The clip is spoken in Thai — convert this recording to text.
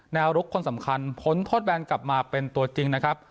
ลุกคนสำคัญพ้นโทษแบนกลับมาเป็นตัวจริงนะครับ